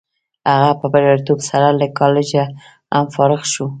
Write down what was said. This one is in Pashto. هغه په بریالیتوب سره له کالجه هم فارغ شو